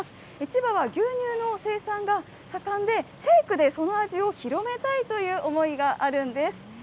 千葉は牛乳の生産が盛んで、シェイクでその味を広めたいという思いがあるんです。